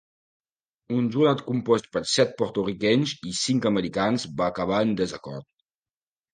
Un jurat compost per set porto-riquenys i cinc americans va acabar en desacord.